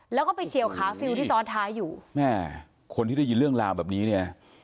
แล้วก็ไปเฉียวขาฟิลที่ซ้อนท้ายอยู่แม่คนที่ได้ยินเรื่องราวแบบนี้เนี่ย